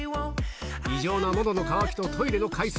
異常な喉の渇きとトイレの回数